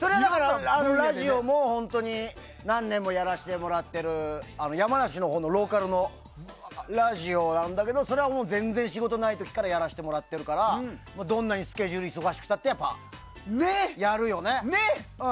ラジオも本当に何年もやらせてもらってる山梨のローカルのラジオなんだけどそれは全然仕事がない時からやらせてもらってるからどんなにスケジュールが忙しくたってやるよね。